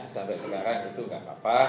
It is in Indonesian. sampai sekarang itu nggak apa apa